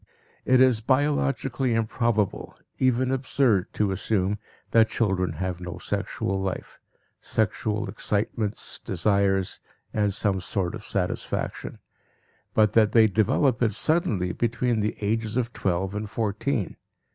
It is biologically improbable, even absurd, to assume that children have no sexual life sexual excitements, desires, and some sort of satisfaction but that they develop it suddenly between the ages of twelve and fourteen.